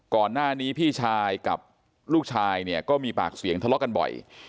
ก่อนหน้านี้พี่ชายกับลูกชายเนี่ยก็มีปากเสียงทะเลาะกันบ่อย